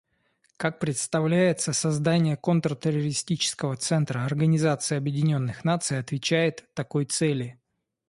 Как представляется, создание Контртеррористического центра Организации Объединенных Наций отвечает такой цели.